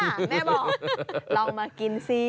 ลองมากินสิ